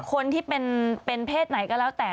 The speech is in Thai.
คนที่เป็นเพศไหนก็แล้วแต่